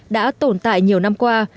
đã tồn tại nhiều năm qua